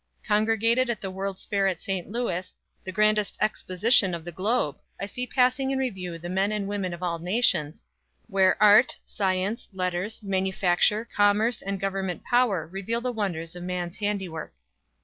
Congregated at the World's Fair at St. Louis, the grandest exposition of the globe, I see passing in review the men and women of all nations, where art, science, letters, manufacture, commerce and government power reveal the wonders of man's handiwork.